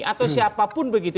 atau siapapun begitu